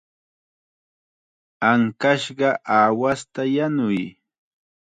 Ankashqa aawasta yanuy.